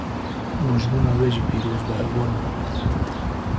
Rojbûna we jî piroz be hevalno